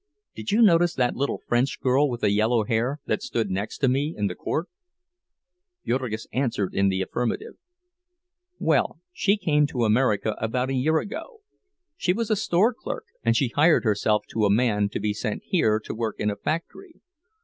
Did you notice that little French girl with the yellow hair, that stood next to me in the court?" Jurgis answered in the affirmative. "Well, she came to America about a year ago. She was a store clerk, and she hired herself to a man to be sent here to work in a factory.